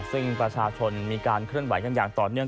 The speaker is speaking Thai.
ซึ่งประชาชนมีการเคลื่อนไหวกันอย่างต่อเนื่อง